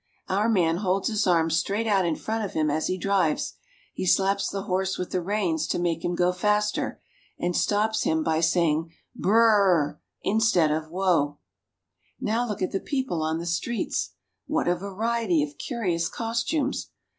Our man holds his arms straight out in front of him as he drives. He slaps the horse with the reins to make him go faster, and stops him by saying " burr r " instead of " whoa." Now look at the people on the streets. What a variety of curious costumes